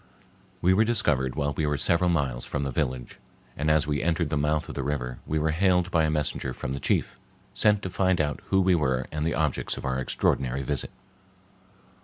We were discovered while we were several miles from the village, and as we entered the mouth of the river we were hailed by a messenger from the chief, sent to find out who we were and the objects of our extraordinary visit.